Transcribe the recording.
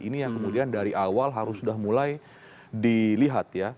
ini yang kemudian dari awal harus sudah mulai dilihat ya